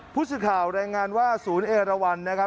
ผู้สิทธิ์ข่าวแรงงานว่าศูนย์เอเวราันนะครับ